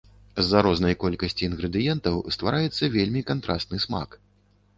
З-за рознай колькасці інгрэдыентаў ствараецца вельмі кантрасны смак.